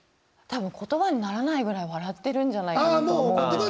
多分言葉にならないぐらい笑ってるんじゃないかなと思うんですけど。